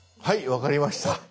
分かりました！